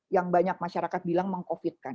yang banyak masyarakat bilang meng covid kan